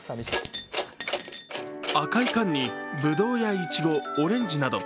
赤い缶にぶどうやいちごオレンジなど、